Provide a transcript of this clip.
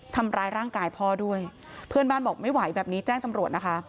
ทำร้ายร่างกายพ่อด้วยเพื่อนบ้านบอกไม่ไหวแบบนี้แจ้งตำรวจนะคะ